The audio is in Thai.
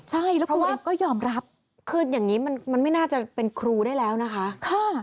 ใช่ก็ยอมรับคืออย่างงี้มันมันไม่น่าจะเป็นครูได้แล้วนะคะ